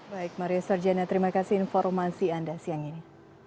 baik maria sarjana terima kasih informasi anda siang ini